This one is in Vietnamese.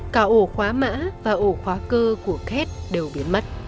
cả ổ khóa mã và ổ khóa cơ của khét đều biến mất